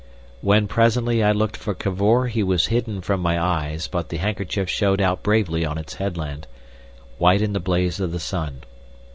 When presently I looked for Cavor he was hidden from my eyes, but the handkerchief showed out bravely on its headland, white in the blaze of the sun.